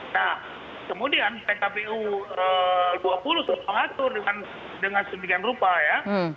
nah kemudian pkpu dua puluh sudah mengatur dengan sedemikian rupa ya